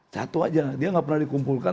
satu saja dia tidak pernah dikumpulkan